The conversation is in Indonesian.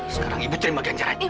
sekarang ibu terima ganjaran